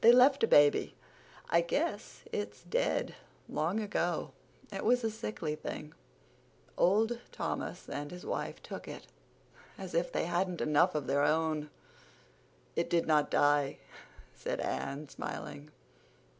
They left a baby. I guess it's dead long ago. It was a sickly thing. Old Thomas and his wife took it—as if they hadn't enough of their own." "It didn't die," said Anne, smiling.